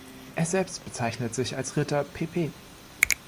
Er selbst bezeichnete sich als „Ritter pp.